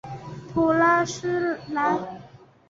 普拉斯莱。